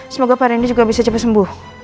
semoga pak randy juga bisa cepet sembuh